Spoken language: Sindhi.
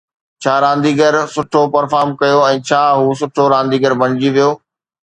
ڇا رانديگر سٺو پرفارم ڪيو ۽ ڇا هو سٺو رانديگر بڻجي ويو